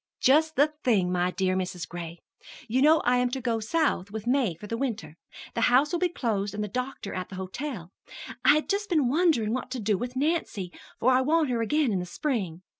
"Just the thing, my dear Mrs. Gray! You know I am to go South with May for the winter. The house will be closed and the doctor at the hotel. I had just been wondering what to do with Nancy, for I want her again in the spring.